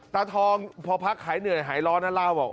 ตาทองพอพักหายเหนื่อยหายร้อนนะเล่าบอก